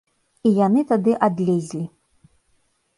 І яны тады адлезлі!